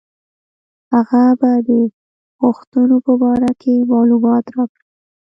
هغه به د غوښتنو په باره کې معلومات راکړي.